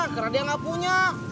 karena dia nggak punya